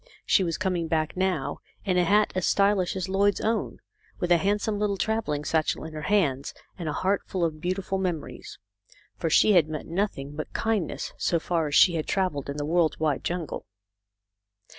She was coming back now, in a hat as stylish as Lloyd's own, with a handsome little BACK TO THE CUCKOO'S NEST. 33 travelling satchel in her hands, and a heartful of beautiful memories ; for she had met nothing but kindness, so far as she had travelled in the world's wide jungle.